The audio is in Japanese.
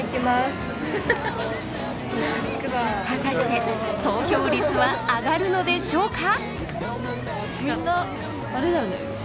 果たして投票率は上がるのでしょうか！？